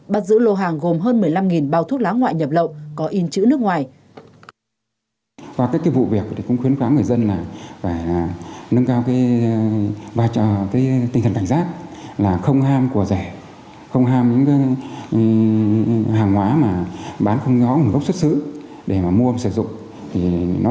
bắt giữ lô hàng gồm hơn một mươi năm bao thuốc lá ngoại nhập lậu có in chữ nước ngoài